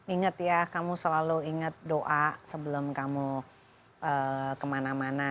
ingat ya kamu selalu ingat doa sebelum kamu kemana mana